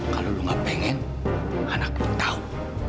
kalau lu gak pengen anak lu tahu